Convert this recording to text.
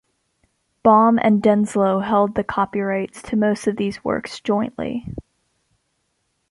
Baum and Denslow held the copyrights to most of these works jointly.